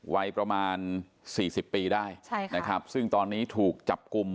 ไว้ประมาณ๔๐ปีได้ซึ่งตอนนี้ถูกจับกุม